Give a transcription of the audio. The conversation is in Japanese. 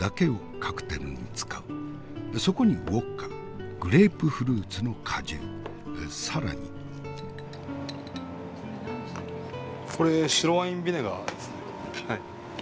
そこにウォッカグレープフルーツの果汁更に。これ白ワインビネガーですね。